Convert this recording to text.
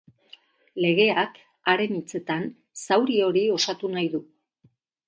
Legeak, haren hitzetan, zauri hori osatu nahi du.